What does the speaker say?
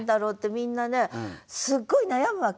みんなねすごい悩むわけ。